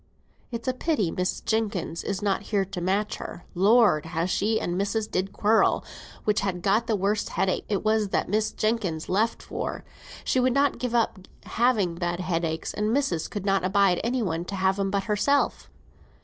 "It's a pity Miss Jenkins is not here to match her. Lord! how she and missis did quarrel which had got the worst headaches; it was that Miss Jenkins left for; she would not give up having bad headaches, and missis could not abide any one to have 'em but herself."